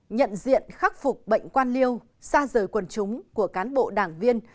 nhận diện khắc phục bệnh quan liêu xa rời quần chúng của cán bộ đảng viên